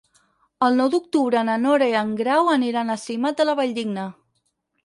El nou d'octubre na Nora i en Grau aniran a Simat de la Valldigna.